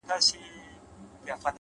علم د حل لارې پیدا کوي